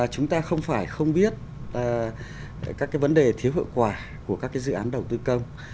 chúng ta không phải không biết các vấn đề thiếu hiệu quả của các dự án đầu tư công